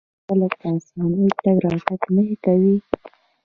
آیا خلک په اسانۍ تګ راتګ نه کوي؟